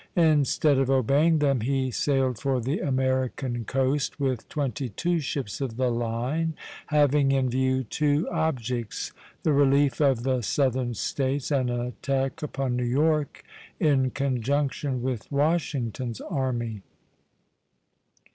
Instead of obeying them he sailed for the American coast with twenty two ships of the line, having in view two objects, the relief of the Southern States and an attack upon New York in conjunction with Washington's army.